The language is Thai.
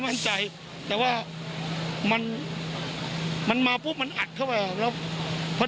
สวยชีวิตทั้งคู่ก็ออกมาไม่ได้อีกเลยครับ